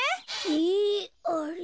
えあれ？